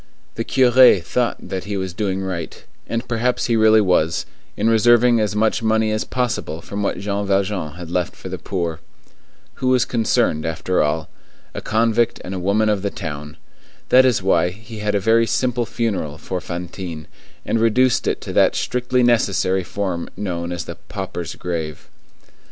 The curé thought that he was doing right, and perhaps he really was, in reserving as much money as possible from what Jean Valjean had left for the poor. Who was concerned, after all? A convict and a woman of the town. That is why he had a very simple funeral for Fantine, and reduced it to that strictly necessary form known as the pauper's grave.